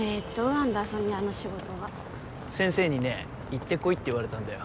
アンダーソニアの仕事は先生にね行ってこいって言われたんだよ